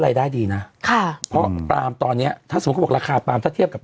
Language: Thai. รายได้ดีนะค่ะเพราะปลามตอนเนี้ยถ้าสมมุติบอกราคาปาล์มถ้าเทียบกับ